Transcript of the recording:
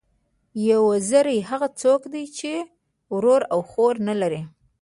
یو وزری، هغه څوک دئ، چي ورور او خور نه لري.